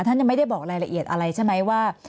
ท่านยังไม่ได้บอกรายละเอียดอะไรใช่ไหมว่า